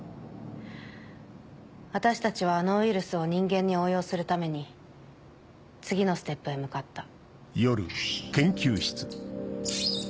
私たちはあのウイルスを人間に応用するために次のステップへ向かった。